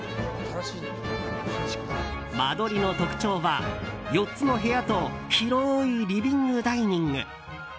間取りの特徴は４つの部屋と広いリビング・ダイニング。